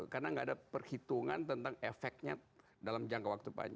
karena nggak ada perhitungan tentang efeknya dalam jangka waktu panjang